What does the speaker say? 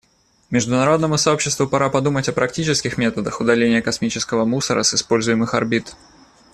Международному сообществу пора подумать о практических методах удаления космического мусора с используемых орбит.